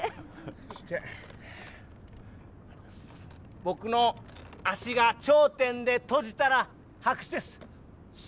僕の脚が頂点で閉じたら拍手です。